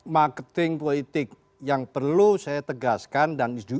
marketing politik yang perlu saya tegaskan dan diulang ulang